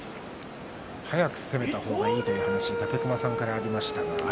早く攻めた方がいいという話武隈さんからありました。